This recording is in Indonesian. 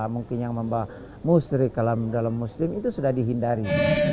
mungkin yang membawa musri dalam muslim itu sudah dihindari